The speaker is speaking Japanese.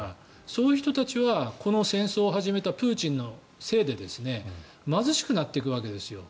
そういう人たちはこの戦争を始めたプーチンのせいで貧しくなっていくわけですよ。